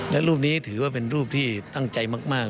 และรูปนี้ถือว่าเป็นรูปที่ตั้งใจมาก